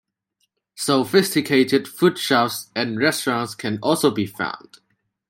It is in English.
Sophisticated food shops and restaurants can also be found.